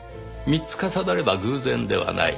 ３つ重なれば偶然ではない。